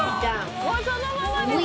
そのままです。